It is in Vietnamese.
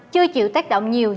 chưa chịu tác động nhiều